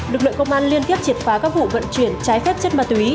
lực lượng công an liên tiếp triệt phá các vụ vận chuyển trái phép chất ma túy